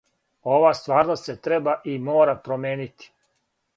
Ова стварност се треба и мора променити.